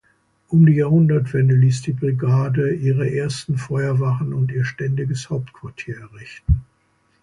Um die Jahrhundertwende ließ die Brigade ihre ersten Feuerwachen und ihr ständiges Hauptquartier errichten.